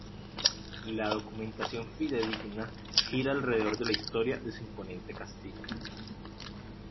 La documentación fidedigna gira alrededor de la historia de su imponente castillo.